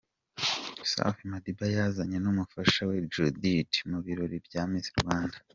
Safi Madiba yazanye n'umufasha we Judith mu birori bya Miss Rwanda.